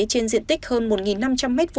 trên diện tích hơn một năm trăm linh m hai